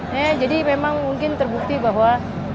ya jadi memang mungkin terbukti bahwa